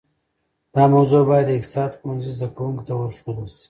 دا موضوع باید د اقتصاد پوهنځي زده کونکو ته ورښودل شي